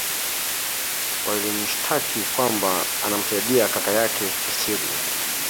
walimshtaki kwamba anamsaidia kaka yake kisiri